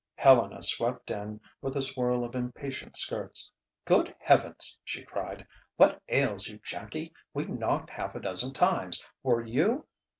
Helena swept in with a swirl of impatient skirts. "Good heavens!" she cried. "What ails you, Jackie? We knocked half a dozen times. Were you